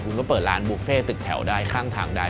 คุณก็เปิดร้านบุฟเฟ่ตึกแถวได้ข้างทางได้